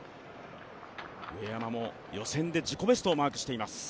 上山も予選で自己ベストをマークしています。